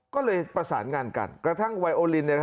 ก็เลยประสานง่านกันกระทั้งไวโอลินเนี่ยครับ